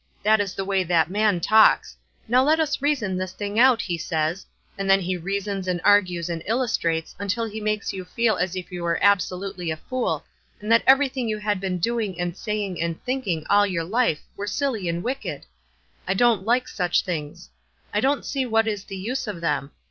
That is the way that man talks. 'Now let us reason this thing out,' he says ; and then he reasons and argues and illustrates until he makes you feel as if you were absolutely a fool, and that everything you had been doing and saying and thinking all your life were silly and wicked. I don't like such things. I don't see what is the use of them.